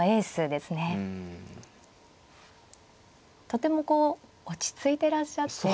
とてもこう落ち着いていらっしゃって。